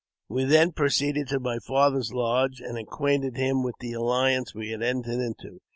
We then proceeded to my father's lodge, and acquainted him with the alliance we had entered into.